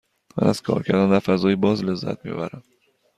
من از کار کردن در فضای باز لذت می برم.